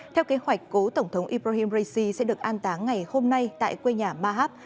theo kế hoạch cố tổng thống ibrahim raisi sẽ được an táng ngày hôm nay tại quê nhà mahab